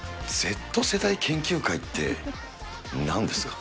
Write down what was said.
Ｚ世代研究会ってなんですか？